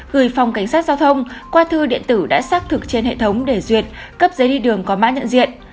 gửi phòng cảnh sát giao thông qua thư điện tử đã xác thực trên hệ thống để duyệt cấp giấy đi đường có mã nhận diện